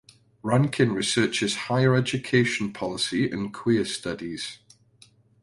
Rankin researches higher education policy and queer studies.